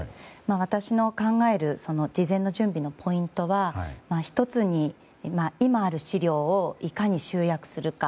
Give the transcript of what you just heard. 私の考える事前の準備のポイントは１つに、今ある資料をいかに集約するか。